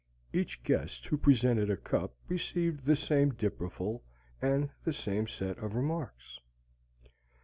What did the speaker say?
Each guest who presented a cup received the same dipperful and the same set of remarks.